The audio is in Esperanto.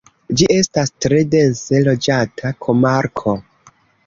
Ĝi estas tre dense loĝata komarko.